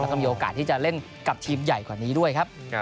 แล้วก็มีโอกาสที่จะเล่นกับทีมใหญ่กว่านี้ด้วยครับ